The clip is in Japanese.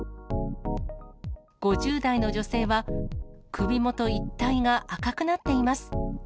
５０代の女性は、首元一帯が赤くなっています。